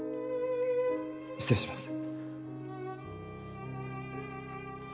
失礼します。